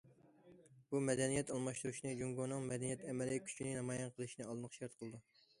بۇ، مەدەنىيەت ئالماشتۇرۇشنى، جۇڭگونىڭ مەدەنىيەت ئەمەلىي كۈچىنى نامايان قىلىشنى ئالدىنقى شەرت قىلىدۇ.